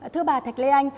thưa bà thạch lê anh